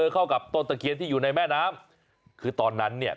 เข้ากับต้นตะเคียนที่อยู่ในแม่น้ำคือตอนนั้นเนี่ย